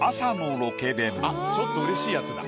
ちょっとうれしいやつだ。